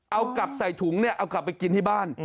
เอากลับใส่ถุงเนี่ยเอากลับไปกินที่บ้าน